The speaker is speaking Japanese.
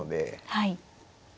はい。